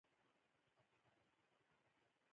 زه رښتیا ویونکی انسان یم.